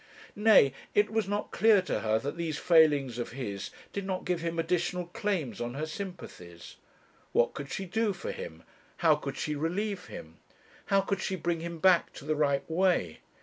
Nay, it was not clear to her that these failings of his did not give him additional claims on her sympathies. What could she do for him? how could she relieve him? how could she bring him back to the right way?